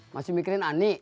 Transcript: masih mikirin ani